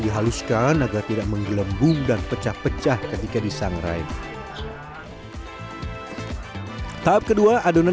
dihaluskan agar tidak menggelembung dan pecah pecah ketika disangrai tahap kedua adonan